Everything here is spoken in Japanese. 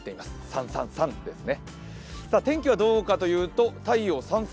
３、３、３ですね。